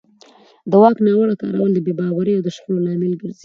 د واک ناوړه کارول د بې باورۍ او شخړو لامل ګرځي